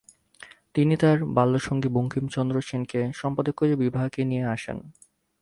তিনি তার বাল্যসঙ্গী বঙ্কিমচন্দ্র সেনকে সম্পাদকীয় বিভাগে নিয়ে আসেন।